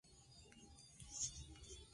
Es la segunda feria por antigüedad de España.